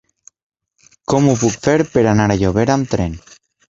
Com ho puc fer per anar a Llobera amb tren?